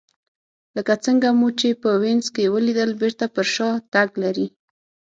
لکه څنګه مو چې په وینز کې ولیدل بېرته پر شا تګ لري